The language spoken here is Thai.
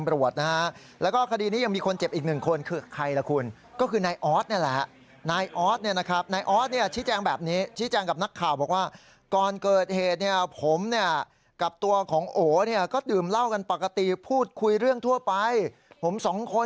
ไอ้นายเจ๋งไม่จริง